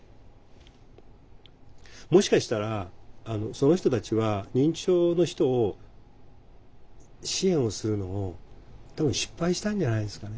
もしかしたらその人たちは認知症の人を支援をするのを多分失敗したんじゃないですかね。